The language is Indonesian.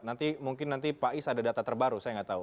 nanti mungkin nanti pak is ada data terbaru saya nggak tahu